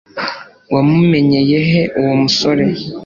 wamumenyeye he uwo musore